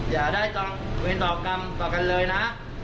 อย่าได้ตอนต่อกันเลยนะ